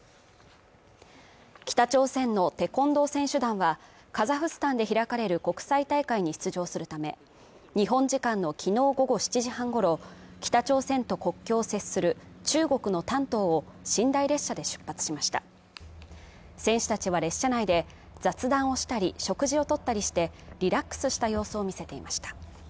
北朝鮮のテコンドー選手団はカザフスタンで開かれる国際大会に出場するため日本時間のきのう午後７時半ごろ北朝鮮と国境を接する中国の丹東を寝台列車で出発しました選手たちは列車内で雑談をしたり食事をとったりしてリラックスした様子を見せていました